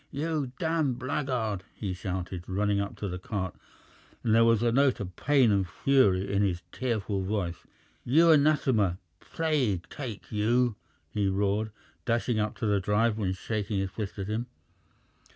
"You damned blackguard!" he shouted, running up to the cart, and there was a note of pain and fury in his tearful voice. "You anathema, plague take you!" he roared, dashing up to the driver and shaking his fist at him.